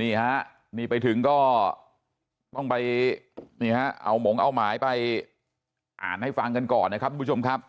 นี่ฮะนี่ไปถึงก็ต้องไปนี่ฮะเอาหมงเอาหมายไปอ่านให้ฟังกันก่อนนะครับทุกผู้ชมครับ